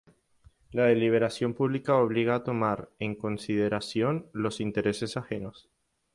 La deliberación pública obliga a tomar en consideración los intereses ajenos.